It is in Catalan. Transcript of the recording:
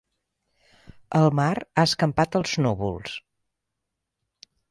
El mar ha escampat els núvols.